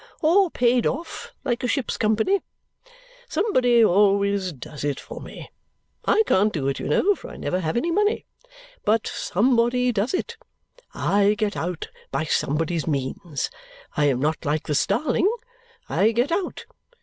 Or paid off like a ship's company. Somebody always does it for me. I can't do it, you know, for I never have any money. But somebody does it. I get out by somebody's means; I am not like the starling; I get out.